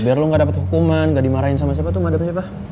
biar lu gak dapat hukuman gak dimarahin sama siapa terus gak dapat siapa